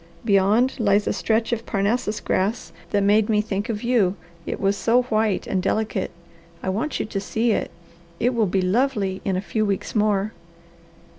Beyond lies a stretch of Parnassus grass that made me think of you, it was so white and delicate. I want you to see it. It will be lovely in a few weeks more."